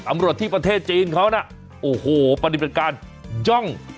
ตำรวจที่ประเทศจีนเขาน่ะโอ้โหปฏิบัติการจ้อง